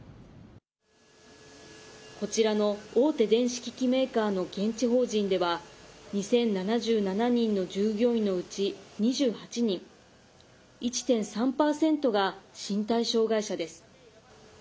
こちらの大手電子機器メーカーの現地法人では２０７７人の従業員のうち２８人１．３％が身体障害者です。